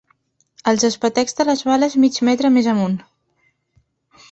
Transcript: Els espetecs de les bales mig metre més amunt